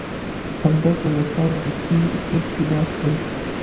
همدرد او احسان وروستي سیټ کې ناست ول.